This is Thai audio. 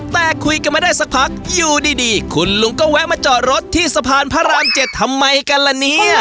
แต่คุยกันไม่ได้สักพักอยู่ดีคุณลุงก็แวะมาจอดรถที่สะพานพระราม๗ทำไมกันล่ะเนี่ย